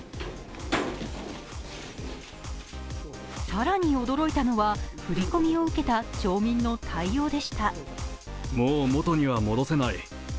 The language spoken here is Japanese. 更に驚いたのは、振り込みを受けた町民の対応でした。